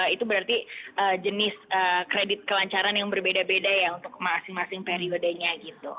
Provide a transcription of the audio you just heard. itu berarti jenis kredit kelancaran yang berbeda beda ya untuk masing masing periodenya gitu